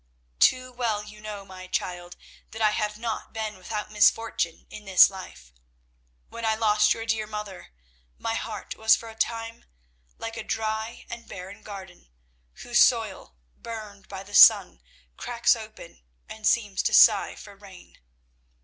"Too well you know, my child, that I have not been without misfortune in this life. When I lost your dear mother my heart was for a long time like a dry and barren garden, whose soil, burned by the sun, cracks open, and seems to sigh for rain.